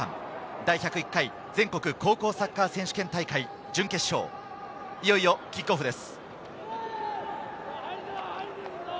第１０１回全国高校サッカー選手権大会準決勝、いよいよキックオフです。